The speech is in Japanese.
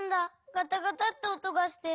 ガタガタっておとがして。